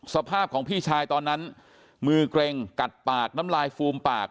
สภาพของพี่ชายตอนนั้นมือเกร็งกัดปากน้ำลายฟูมปาก